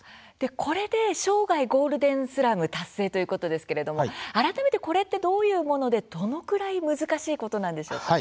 これで生涯ゴールデンスラム達成ということですけれども改めて、これってどういうものでどのくらい難しいことなんでしょうか。